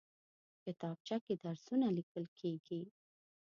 کتابچه کې درسونه لیکل کېږي